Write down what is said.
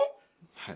はい。